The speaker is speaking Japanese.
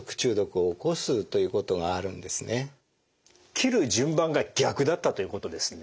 切る順番が逆だったということですね？